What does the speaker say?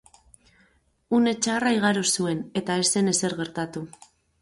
Une txarra igaro zuen, eta ez zen ezer gertatu.